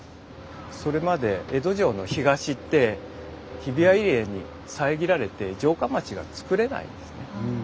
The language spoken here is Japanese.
それまで江戸城の東って日比谷入江に遮られて城下町がつくれないんですね。